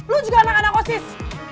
lu juga anak anak osis